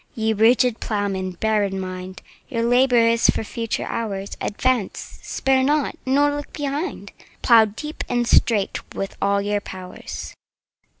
Ye rigid Ploughmen, bear in mind Your labour is for future hours: Advance—spare not—nor look behind— 15 Plough deep and straight with all your powers!